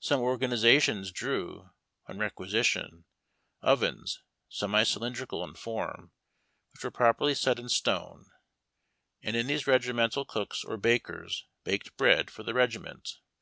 Some organizations drew, on requisition, ovens, semi cylindrical in form, which were properly set in stone, and in these regimen tal cooks or bakers baked bread for the regiment.